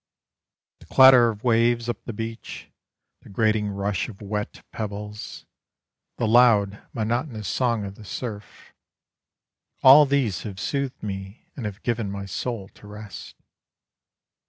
The clatter of waves up the beach, The grating rush of wet pebbles, The loud monotonous song of the surf, All these have soothed me And have given My soul to rest.